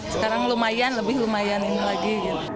sekarang lumayan lebih lumayan ini lagi